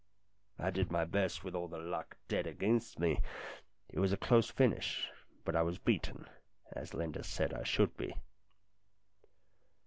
I did my best with all the luck dead against me. It was a close finish, but I was beaten, as Linda said I should be.